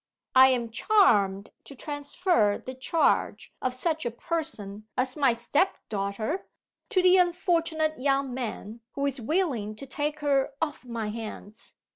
I am charmed to transfer the charge of such a person as my step daughter to the unfortunate young man who is willing to take her off my hands.